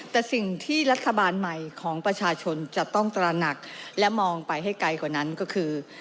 แต่สิ่งที่รัฐบาลใหม่ของประชาชนจะต้องตระหนักและมองไปให้ไกลกว่านั้นก็คือ